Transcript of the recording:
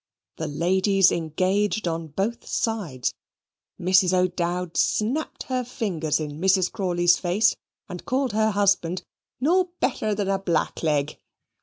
The ladies engaged on both sides. Mrs. O'Dowd snapped her fingers in Mrs. Crawley's face and called her husband "no betther than a black leg."